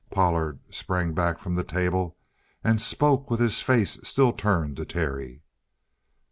Pollard sprang back from the table and spoke with his face still turned to Terry.